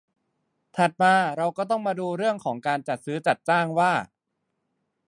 ถัดมาเราก็ต้องมาดูเรื่องของการจัดซื้อจัดจ้างว่า